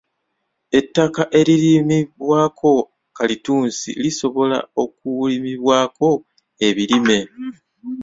Ettaka eririmibwako kalittunsi lisobola okurimibwako ebirime.